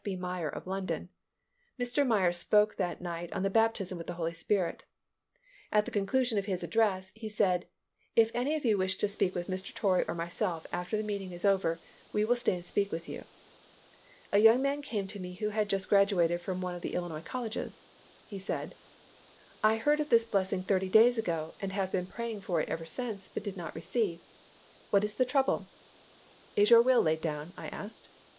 B. Meyer, of London. Mr. Meyer spoke that night on the Baptism with the Holy Spirit. At the conclusion of his address, he said, "If any of you wish to speak with Mr. Torrey or myself after the meeting is over, we will stay and speak with you." A young man came to me who had just graduated from one of the Illinois colleges. He said, "I heard of this blessing thirty days ago and have been praying for it ever since but do not receive. What is the trouble?" "Is your will laid down?" I asked.